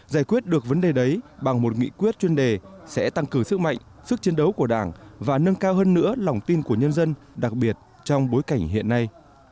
giải quyết được vấn đề đấy bằng một nghị quyết chuyên đề sẽ tăng cường sức mạnh sức chiến đấu của đảng và nâng cao hơn nữa lòng tin của nhân dân đặc biệt trong bối cảnh hiện nay